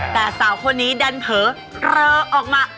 แต่สาวคนนี้ดันเผลอเลอออกมา